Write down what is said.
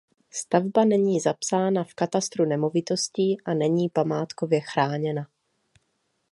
Stavba není zapsána v katastru nemovitostí a není památkově chráněna.